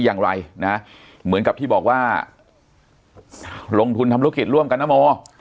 อย่างไรนะเหมือนกับที่บอกว่าลงทุนทำธุรกิจร่วมกันนะโม